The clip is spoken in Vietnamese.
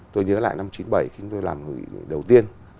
tôi nhớ lại năm chín mươi bảy khi tôi làm người đầu tiên